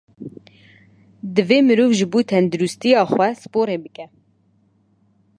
Divê mirov ji bo tenduristiya xwe sporê bike.